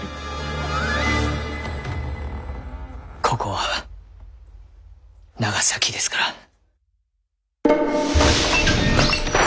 ここは長崎ですから。